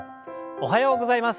おはようございます。